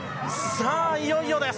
さあ、いよいよです。